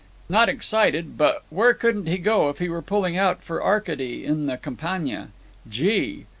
Not excited, but—where couldn't he go if he were pulling out for Arcady on the Campagnia! Gee!